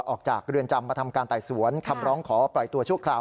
ออกจากเรือนจำมาทำการไต่สวนคำร้องขอปล่อยตัวชั่วคราว